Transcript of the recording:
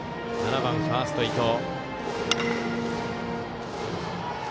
７番ファースト、伊藤。